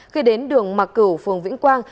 khi đến đường mạc cửu phường vĩnh quang